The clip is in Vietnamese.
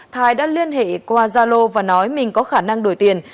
thái đã liên hệ qua gia lô và nói mình có khả năng đổi tiền